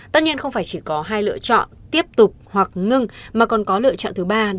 tất nhiên không phải chỉ có hai lựa chọn tiếp tục hoặc ngưng mà còn có lựa chọn thứ ba